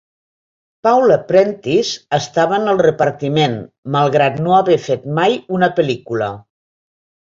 Paula Prentiss estava en el repartiment malgrat no haver fet mai una pel·lícula.